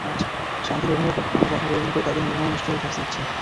শাস্তির অভিনব পন্থা অবলম্বন করে তাদের নির্মম ও নিষ্ঠুরভাবে শাস্তি দিচ্ছে।